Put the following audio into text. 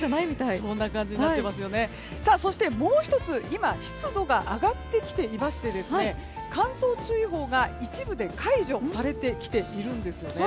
そして、もう１つ今、湿度が上がってきていまして乾燥注意報が一部で解除されてきているんですよね。